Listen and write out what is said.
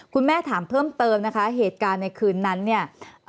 คุณแม่ถามเพิ่มเติมนะคะเหตุการณ์ในคืนนั้นเนี่ย